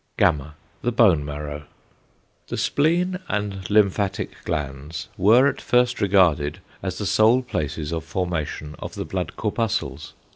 ([gamma]) The Bone marrow. The spleen and lymphatic glands were at first regarded as the sole places of formation of the blood corpuscles.